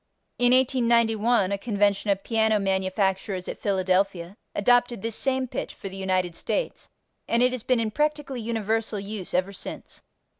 In 1891 a convention of piano manufacturers at Philadelphia adopted this same pitch for the United States, and it has been in practically universal use ever since.